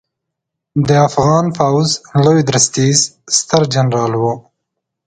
د افغان پوځ لوی درستیز سترجنرال و